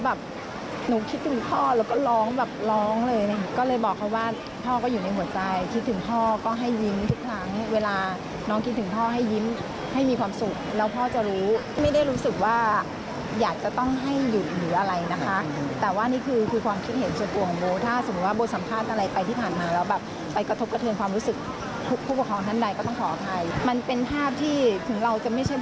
ก็เป็นความคิดเห็นของทางแม่บอวันด้าด้วยนะครับรวมไปถึงคลิปที่น้องมะลิร้องไห้คือแม่บอวันด้าด้วยนะครับรวมไปถึงคลิปที่น้องมะลิร้องไห้คือแม่บอวันด้าด้วยนะครับรวมไปถึงคลิปที่น้องมะลิร้องไห้คือแม่บอวันด้าด้วยนะครับรวมไปถึงคลิปที่น้องมะลิร้องไห้คือ